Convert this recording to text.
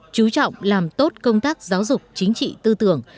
chú trọng làm tốt công tác giáo dục chính trị tư tưởng